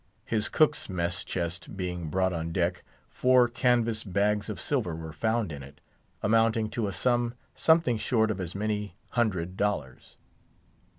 His cook's mess chest being brought on deck, four canvas bags of silver were found in it, amounting to a sum something short of as many hundred dollars.